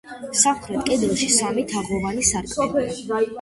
სამხრეთ კედელში სამი თაღოვანი სარკმელია.